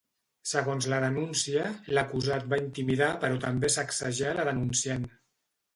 Segons la denúncia, l’acusat va intimidar però també sacsejar la denunciant.